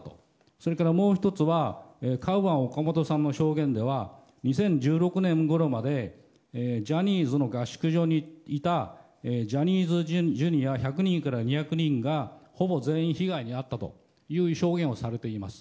それからもう１つはカウアン・オカモトさんの証言では２０１６年ごろまでジャニーズの合宿所にいたジャニーズＪｒ．１００人から２００人がほぼ全員被害に遭ったという証言をされています。